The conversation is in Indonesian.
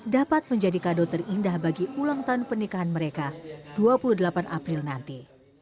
dapat menjadi kado terindah bagi ulang tahun pernikahan mereka dua puluh delapan april nanti